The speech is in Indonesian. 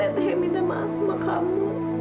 harusnya tete yang minta maaf sama kamu